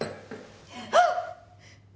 あっ！